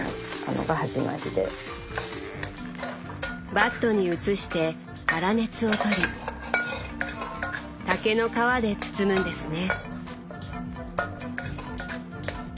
バットに移して粗熱をとり竹の皮で包むんですね。